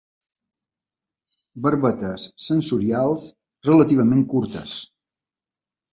Barbetes sensorials relativament curtes.